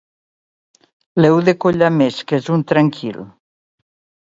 L'heu de collar més, que és un tranquil.